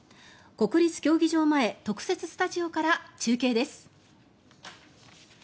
国立競技場前特設スタジオから中継です。